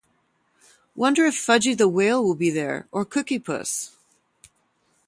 Wonder if Fudgie the Whale will be there or Cookie Puss.